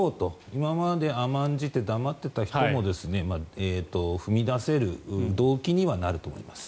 今まで甘んじて黙っていた人も踏み出せる動機にはなると思います。